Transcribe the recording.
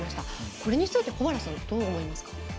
これについて、保原さんどう思いますか？